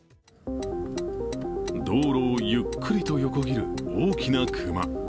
道路をゆっくりと横切る大きな熊。